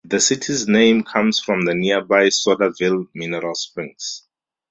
The city's name comes from the nearby Sodaville Mineral Springs.